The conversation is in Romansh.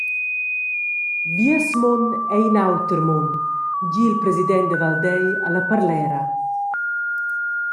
«Vies mund ei in auter mund», gi il president da Valdei alla parlera.